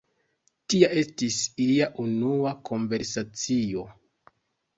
Tia estis ilia unua konversacio.